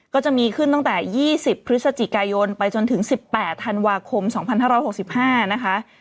ก็จะมีขึ้นตั้งแต่๒๐พฤศจิกายนไปจนถึง๑๘ธันวาคม๒๕๖๕นะคะ